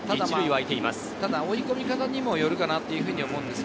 ただ追い込み方にもよるかと思います。